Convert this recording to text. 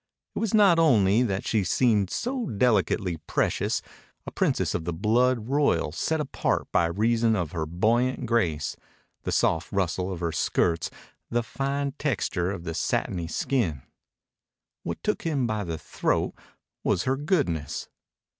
It was not only that she seemed so delicately precious, a princess of the blood royal set apart by reason of her buoyant grace, the soft rustle of her skirts, the fine texture of the satiny skin. What took him by the throat was her goodness.